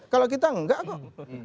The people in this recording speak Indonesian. kalau kita enggak kok